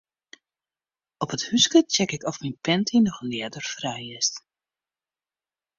Op it húske check ik oft myn panty noch ljedderfrij is.